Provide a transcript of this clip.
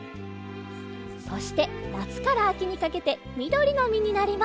そしてなつからあきにかけてみどりのみになります。